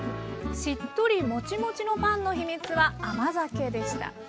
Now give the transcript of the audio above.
しっとりモチモチのパンの秘密は甘酒でした。